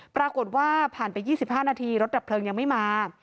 ปรากฏว่าผ่านไป๒๕นาทีรถดับเพลิงยังไม่มา